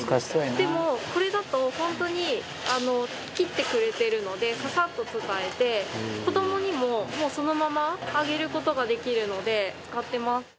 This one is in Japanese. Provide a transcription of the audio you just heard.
でもこれだと本当に切ってくれてるのでササッと使えて子どもにももうそのままあげる事ができるので使ってます。